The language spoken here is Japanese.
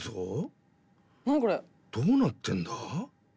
どうなってんだ？